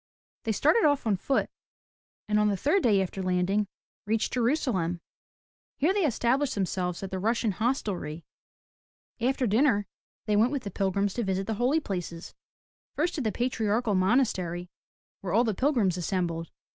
They started off on foot, and on the third day after landing, reached Jerusalem. Here they established themselves at the Russian Hostelry. After dinner they went with the pilgrims to visit the Holy Places, — first to the Patriarchal Monastery where all the pilgrims assembled.